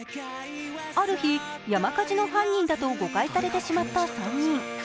ある日、山火事の犯人だと誤解されてしまった３人。